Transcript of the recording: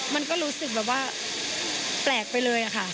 มันก็รู้สึกแบบว่าแปลกไปเลยค่ะ